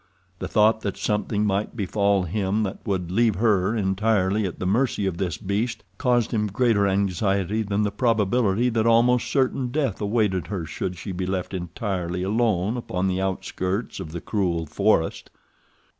The thought that something might befall him that would leave her entirely at the mercy of this beast caused him greater anxiety than the probability that almost certain death awaited her should she be left entirely alone upon the outskirts of the cruel forest.